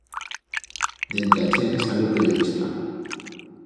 D'entre a chent sale o periodista.